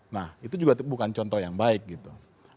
nah itu juga bukan contoh yang baik gitu